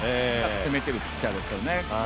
攻めてるピッチャーですよね。